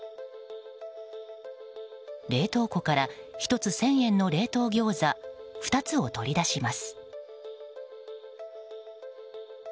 冷凍庫から１つ１０００円の冷凍ギョーザ２つを取り出します。